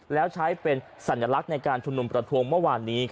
แล้วใช้เป็นสัญลักษณ์ในการชุมนุมประท้วงเมื่อวานนี้